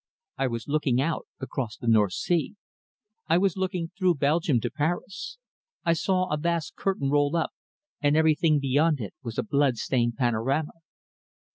I was looking out across the North Sea. I was looking through Belgium to Paris. I saw a vast curtain roll up, and everything beyond it was a blood stained panorama."